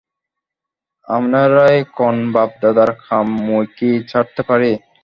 আমনেরাই কন বাপ দাদার কাম মুইকি ছাড়তে পারি।